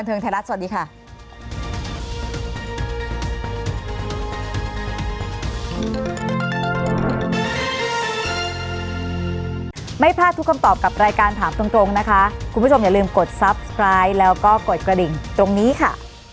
คุณผู้ชมครับหมดเวลาของรายการนะคะอีกสักครู่บันเทิงไทยรัฐสวัสดีค่ะ